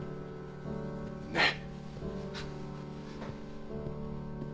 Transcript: ねっ。